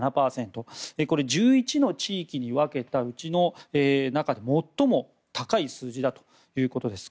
これは１１の地域に分けたうちの中で最も高い数字だということです。